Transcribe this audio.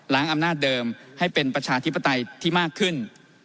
อำนาจเดิมให้เป็นประชาธิปไตยที่มากขึ้น